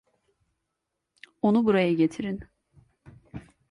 Onu buraya getirin!